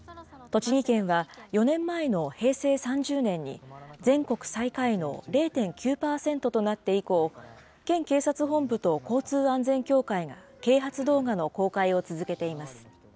栃木県は、４年前の平成３０年に、全国最下位の０．９％となって以降、県警察本部と交通安全協会が啓発動画の公開を続けています。